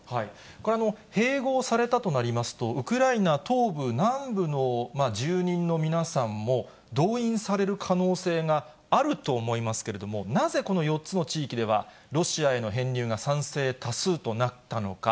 これ、併合されたとなりますと、ウクライナ東部、南部の住民の皆さんも動員される可能性があると思いますけれども、なぜこの４つの地域ではロシアへの編入が賛成多数となったのか。